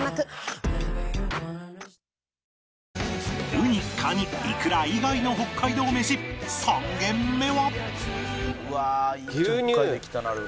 ウニ・カニ・いくら以外の北海道メシ３軒目は